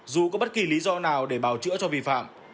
dù có bất kỳ lý do nào để bào chữa cho vi phạm